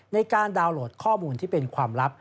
ในการดาวน์โหลดข้อมูลที่เป็นความลับ